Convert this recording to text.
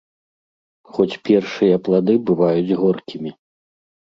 Хоць першыя плады бываюць горкімі.